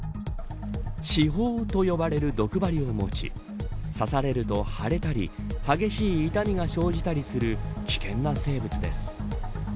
刺胞と呼ばれる毒針を持ち刺されると腫れたり激しい痛みが生じたりする危険な生物です。